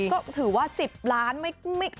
ก็ถือว่า๑๐ล้าน